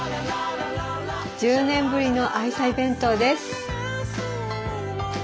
１０年ぶりの愛妻弁当です。